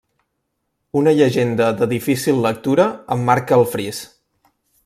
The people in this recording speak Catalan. Una llegenda de difícil lectura emmarca el fris.